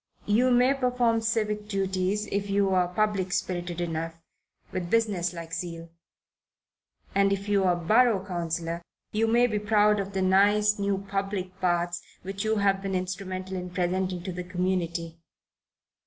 You may perform civic duties, if you are public spirited enough, with business like zeal, and if you are borough councillor you may be proud of the nice new public baths which you have been instrumental in presenting to the community.